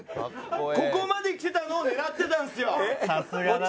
ここまできてたのを狙ってたんですよ。